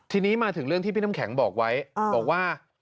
ทีนี้มาถึงเรื่องที่พี่น้ำแข็งบอกไว้บอกว่า